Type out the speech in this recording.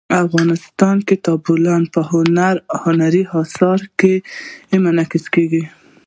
افغانستان کې تالابونه په هنري اثارو کې منعکس کېږي.